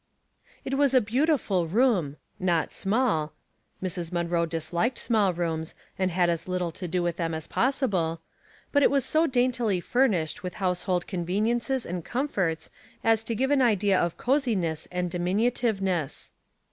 an ,,. T was a beautiful room, not small,— Mrs, Munroe disliked small rooms, and had as [9 little to do with them as possible, — but it was so daintily furnished with house hold conveniences and comforts as to give idea of cosiness and diminutiveness.